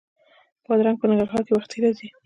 بادرنګ په ننګرهار کې وختي راځي